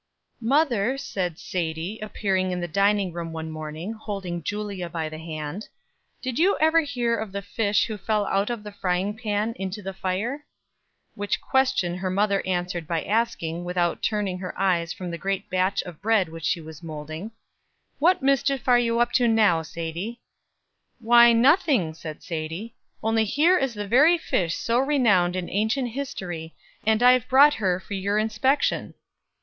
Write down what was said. "Mother," said Sadie, appearing in the dining room one morning, holding Julia by the hand, "did you ever hear of the fish who fell out of the frying pan into the fire?" Which question her mother answered by asking, without turning her eyes from the great batch of bread which she was molding: "What mischief are you up to now, Sadie?" "Why, nothing," said Sadie; "only here is the very fish so renowned in ancient history, and I've brought her for your inspection."